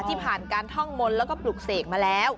ที่ผ่านการท่องมนต์แล้วก็ปลุกเสกมาแล้ว